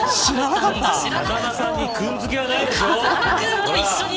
風間さんに君づけはないでしょ。